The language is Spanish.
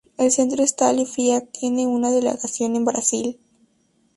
El Centro Stile Fiat tiene una delegación en Brasil.